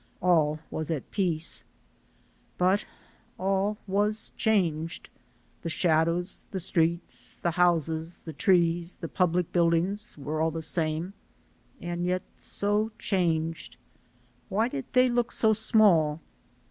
All was at peace. But all was changed. The shadows, the streets, the houses, the trees, the public buildings were all the same, and yet so changed. Why did they look so small?